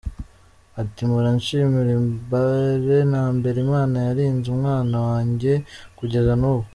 Ati “ Mpora nshimira mbere na mbere Imana yarinze umwana wanjye kugeza nubu.